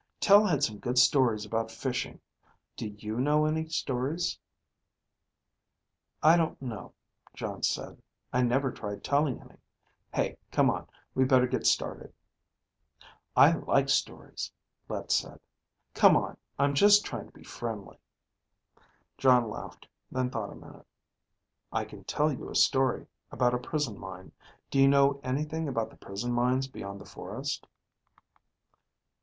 "Tel had some good stories about fishing. Do you know any stories?" "I don't know," Jon said. "I never tried telling any. Hey, come on. We better get started." "I like stories," Let said. "Come on. I'm just trying to be friendly." Jon laughed, then thought a minute. "I can tell you a story, about a prison mine. Do you know anything about the prison mines beyond the forest?"